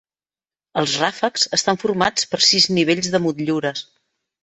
Els ràfecs estan formats per sis nivells de motllures.